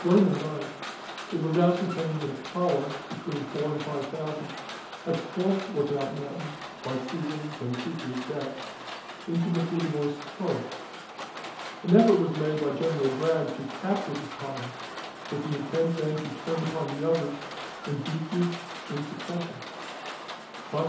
During the 9th it was ascertained that a column, between four and five thousand, had crossed Lookout Mountain by Stevens's and Cooper's Gaps into McLemore's Cove. An effort was made by General Bragg to capture this column, with intent then to turn upon the others, and beat each in succession.